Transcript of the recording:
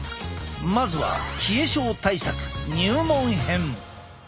まずは冷え症対策入門編。